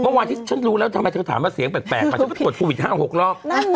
เมื่อวานที่ฉันรู้แล้วทำไมเธอถามว่าเสียงแปลกฉันไปตรวจโควิด๕๖รอบ